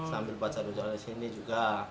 sambil baca dojalan disini juga